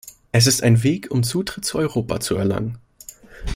Es ist ein Weg, um Zutritt zu Europa zu erlangen.